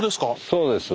そうです。